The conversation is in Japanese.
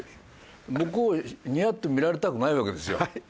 向こうはニヤッと見られたくないわけですよ。